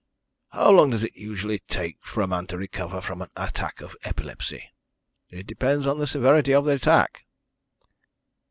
"How long does it usually take for a man to recover from an attack of epilepsy?" "It depends on the severity of the attack."